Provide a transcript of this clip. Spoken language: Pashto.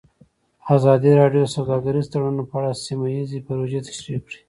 ازادي راډیو د سوداګریز تړونونه په اړه سیمه ییزې پروژې تشریح کړې.